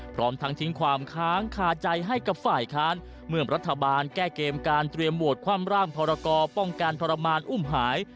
พร้อมทั้งทิ้งความค้างคาใจให้กับฝ่ายค้านเมื่อรัฐบาลแก้เกมการเตรียมโหวตความร่างพรกรป้องกันทรมานอุ้มหาย